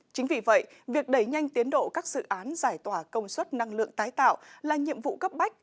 chính vì vậy việc đẩy nhanh tiến độ các dự án giải tỏa công suất năng lượng tái tạo là nhiệm vụ cấp bách